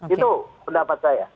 itu pendapat saya